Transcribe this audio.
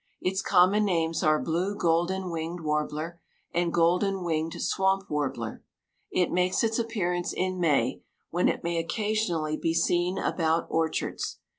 Its common names are blue golden winged warbler, and golden winged swamp warbler. It makes its appearance in May, when it may occasionally be seen about orchards.